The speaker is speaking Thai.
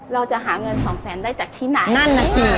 เราจะหาเงิน๒แสนได้จากที่ไหน